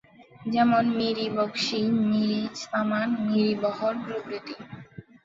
যেমনঃ মীর-ই-বখশি, মীর-ই-সামান, মীর-ই-বহর প্রভৃতি।